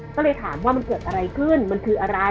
ก็เลยถามว่ามันเกิดอะไรขึ้นมันคืออะไร